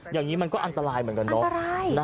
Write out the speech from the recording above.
อย่างนี้มันก็อันตรายเหมือนกันเนาะ